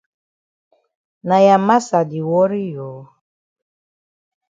Na ya massa di worry you?